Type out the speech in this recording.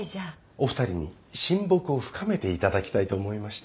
お二人に親睦を深めていただきたいと思いまして。